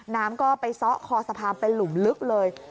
น้ำก็ไปซ่อคอสะพานเป็นหลุมลึกเลย